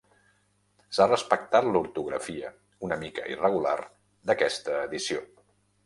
S’ha respectat l’ortografia, una mica irregular, d’aquesta edició.